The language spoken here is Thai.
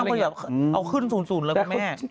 เค้าเอาขึ้นสูงเลยอย่างโครงแม่